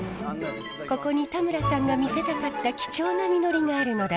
ここに田村さんが見せたかった貴重な実りがあるのだそう。